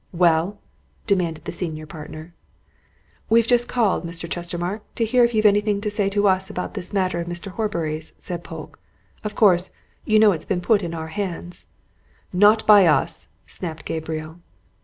"Well?" demanded the senior partner. "We've just called, Mr. Chestermarke, to hear if you've anything to say to us about this matter of Mr. Horbury's," said Polke. "Of course, you know it's been put in our hands." "Not by us!" snapped Gabriel.